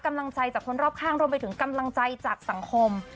กำลังใจจากคนรอบข้างรวมไปถึงกำลังใจจากสังคม